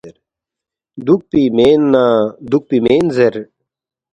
دُوکپی مین نہ دُوکپی مین زیر